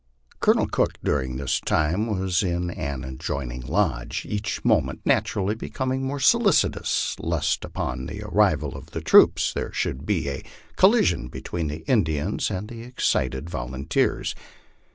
Colonel Cook, during this time, was in an adjoining lodge, each moment naturally becom ing more solicitous lest upon the arrival of the troops there should be a collision between the Indians and the excited volunteers.